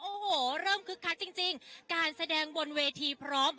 โอ้โหเริ่มคึกคักจริงการแสดงบนเวทีพร้อม